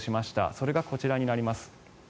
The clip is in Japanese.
それがこちらになります。